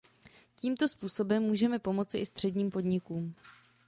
Tímto způsobem můžeme pomoci i středním podnikům.